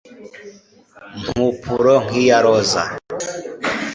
mpupuro nk'iya roza